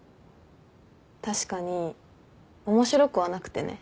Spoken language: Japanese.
確かに面白くはなくてね。